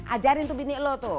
ajarin tuh binik lo tuh